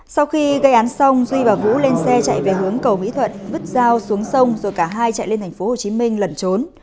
sau khi gây án xong duy và vũ lên xe chạy về hướng cầu mỹ thuận vứt dao xuống sông rồi cả hai chạy lên tp hcm lẩn trốn